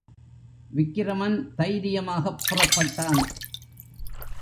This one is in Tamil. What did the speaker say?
விக்கிரமன் தைரியமாகப் புறப்பட்டான்.